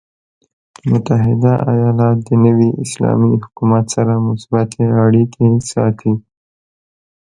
متحده ایالات د نوي اسلامي حکومت سره مثبتې اړیکې ساتي.